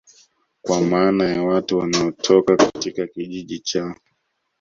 kwa maana ya Watu wanaotoka katika Kijiji cha